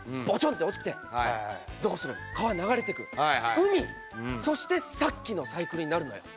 海そしてさっきのサイクルになるのよ。